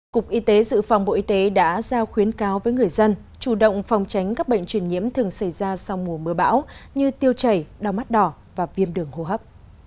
cục y tế dự phòng bộ y tế đã giao khuyến cáo với người dân chủ động phòng tránh các bệnh truyền nhiễm thường xảy ra sau mùa mưa bão như tiêu chảy đau mắt đỏ và viêm đường hô hấp